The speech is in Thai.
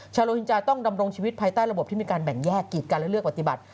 โลหินจาต้องดำรงชีวิตภายใต้ระบบที่มีการแบ่งแยกกิจกันและเลือกปฏิบัติ